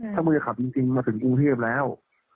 ถ้ามึงจะขับจริงมาถึงกรุงเทพแล้ว